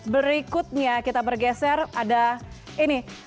berikutnya kita bergeser ada ini